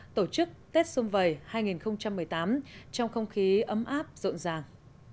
tổ chức tết xuân vầy hai nghìn một mươi tám trong không khí ấm áp rộn ràng